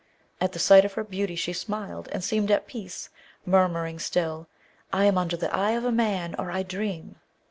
At the sight of her beauty she smiled and seemed at peace, murmuring still, 'I am under the eye of a man, or I dream.'